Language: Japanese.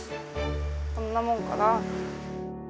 こんなもんかな。